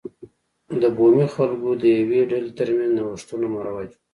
د بومي خلکو د یوې ډلې ترمنځ نوښتونه مروج و.